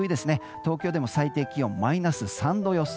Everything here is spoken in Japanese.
東京でも最低気温マイナス３度予想。